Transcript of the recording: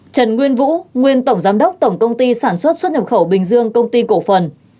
trần nguyên vũ nguyên tổng giám đốc tổng công ty sản xuất xuất nhập khẩu bình dương công ty cổ phần